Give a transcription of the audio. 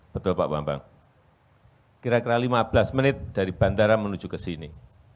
betul pak bambang kira kira lima belas menit dari bandara menuju ke sini